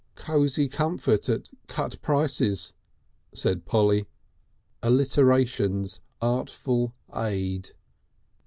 "Cosy Comfort at Cut Prices," said Polly. "Allittritions Artful Aid."